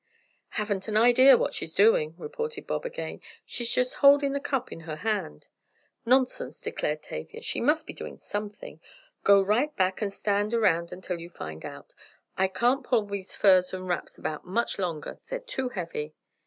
"Haven't an idea what she's doing," reported Bob again, "she's just holding the cup in her hand." "Nonsense," declared Tavia, "she must be doing something. Go right straight back and stand around until you find out. I can't pull these furs and wraps about much longer, they're too heavy!"